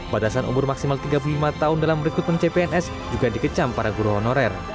batasan umur maksimal tiga puluh lima tahun dalam rekrutmen cpns juga dikecam para guru honorer